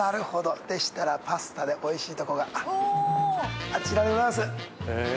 パスタでおいしいとこがあちらでございます！